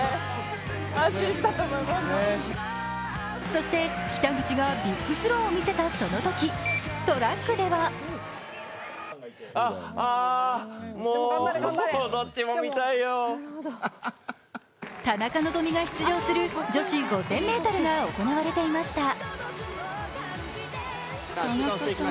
そして、北口がビッグスローを見せたそのときトラックでは田中希実が出場する女子５０００ｍが行われていました。